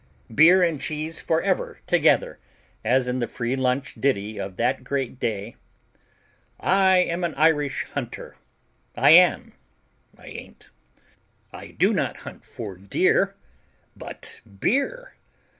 Beer and cheese forever together, as in the free lunch ditty of that great day: I am an Irish hunter; I am, I ain't. I do not hunt for deer But beer.